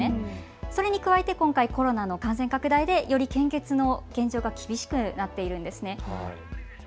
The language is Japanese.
それに加えてコロナの感染拡大で献血の現状は厳しくなっているんです。